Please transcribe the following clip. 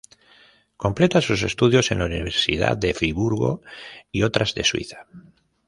Completa sus estudios en la Universidad de Friburgo y otras de Suiza.